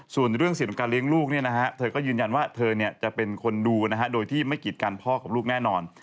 ส่วนเรื่องสิทธิ์ของการเลี้ยงลูกเธอก็ยืนยันว่าเธอจะเป็นคนดูโดยที่ไม่กิจกันพ่อกับลูกแน่นอน